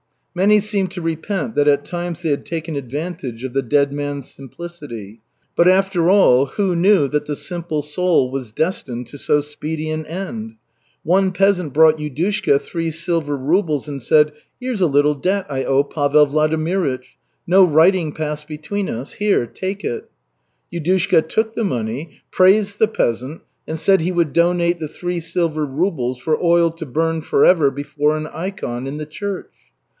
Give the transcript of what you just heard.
Many seemed to repent that at times they had taken advantage of the dead man's simplicity but after all, who knew that the simple soul was destined to so speedy an end? One peasant brought Yudushka three silver rubles and said: "Here's a little debt I owe Pavel Vladimirych. No writing passed between us. Here, take it." Yudushka took the money, praised the peasant, and said he would donate the three silver rubles for oil to burn forever before an ikon in the church.